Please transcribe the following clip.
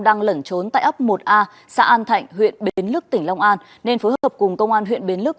đang lẩn trốn tại ấp một a xã an thạnh huyện bến lức tỉnh long an nên phối hợp cùng công an huyện bến lứ